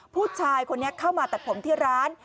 ผู้ชายคนนี้เข้ามาตัดผมที่ร้าน